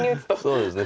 そうですね